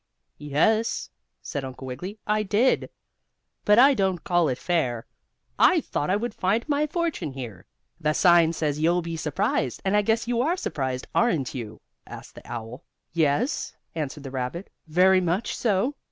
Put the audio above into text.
"Yes," said Uncle Wiggily, "I did. But I don't call it fair. I thought I would find my fortune in here." "The sign says you'll be surprised, and I guess you are surprised, aren't you?" asked the owl. "Yes," answered the rabbit, "very much so.